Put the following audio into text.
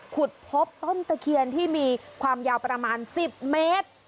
ขุดพบต้นตะเคียนที่มีความยาวประมาณ๑๐เมตร